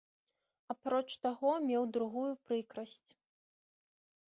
Апроч таго, меў другую прыкрасць.